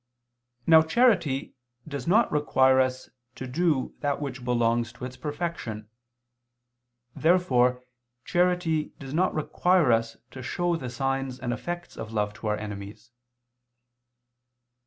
Now charity does not require us to do that which belongs to its perfection. Therefore charity does not require us to show the signs and effects of love to our enemies.